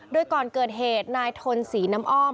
โดยก่อนเกิดเหตุนายทนศรีน้ำอ้อม